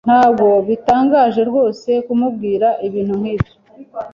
Ntabwo bitangaje rwose kumubwira ibintu nkibyo.